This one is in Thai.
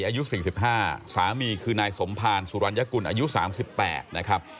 อายุ๔๕สามีคือนายสมภารสุรรณยกุลอายุ๓๘นะครับ